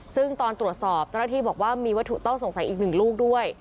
ซึ่งตอนตรวจสอบเจ้าหน้าที่บอกว่ามีวัตถุต้องสงสัยอีกหนึ่งลูกด้วย